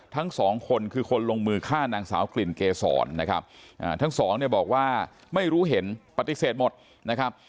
ทั้งสองคนคือคนลงมือฆ่านางสาวกลิ่นเกษรนะครับทั้งสองเนี่ยบอกว่าไม่รู้เห็นปฏิเสธหมดนะครับ